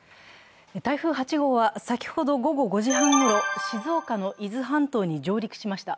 台風８号は先ほど午後５時半ごろ、静岡の伊豆半島に上陸しました。